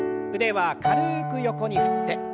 腕は軽く横に振って。